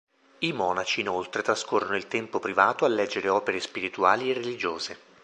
I monaci inoltre trascorrono il tempo privato a leggere opere spirituali e religiose.